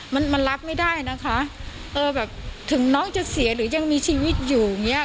มันมันรับไม่ได้นะคะเออแบบถึงน้องจะเสียหรือยังมีชีวิตอยู่อย่างเงี้ย